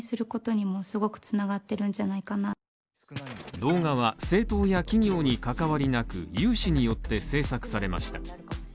動画は、政党や企業に関わりなく有志によって制作されました。